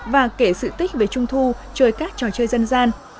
và kể sự tích về trung thu chơi các trò chơi dân gian